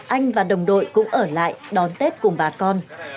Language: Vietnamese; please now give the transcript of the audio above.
anh và đồng đội cũng ở lại đón tết cùng bà con